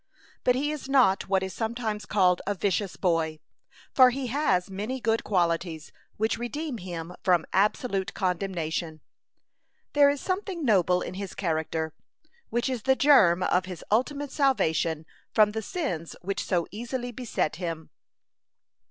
But he is not what is sometimes called a vicious boy, for he has many good qualities, which redeem him from absolute condemnation. There is something noble in his character, which is the germ of his ultimate salvation from the sins which so easily beset him.